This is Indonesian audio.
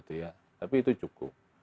tapi itu cukup